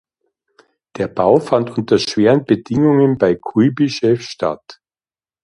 Der Bau fand unter schweren Bedingungen bei Kuibyschew statt.